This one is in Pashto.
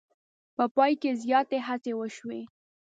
په پای کې زیاتې هڅې وشوې.